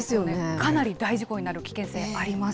かなりの大事故になる危険性あります。